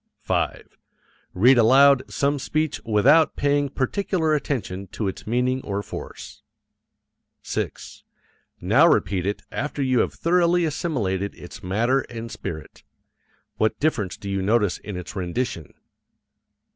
5. Read aloud some speech without paying particular attention to its meaning or force. 6. Now repeat it after you have thoroughly assimilated its matter and spirit. What difference do you notice in its rendition?